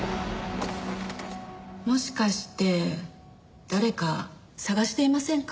もしかして誰か捜していませんか？